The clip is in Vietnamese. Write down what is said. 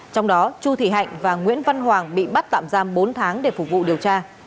trong đó chu thị hạnh và nguyễn văn hoàng bị bắt tạm giam bốn tháng để phục vụ điều tra